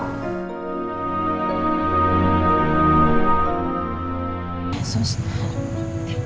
terima kasih sos